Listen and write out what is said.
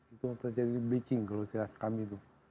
itu akan terjadi bleaching kalau istilah kami itu